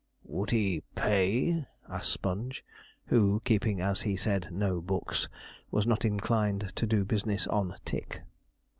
'Would he pay?' asked Sponge, who, keeping as he said, 'no books,' was not inclined to do business on 'tick.'